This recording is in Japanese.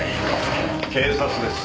警察です。